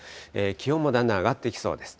気温もだんだん上がっていきそうです。